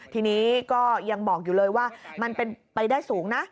ทีนี้ก็ยังบอกอยู่เลยว่ามันเป็นไปได้สูงนะ